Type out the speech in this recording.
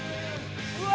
うわ！